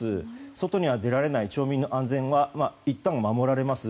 外には出られない町民の安全がいったんは守られます。